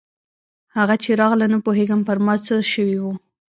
هغه چې راغله نه پوهېږم پر ما څه سوي وو.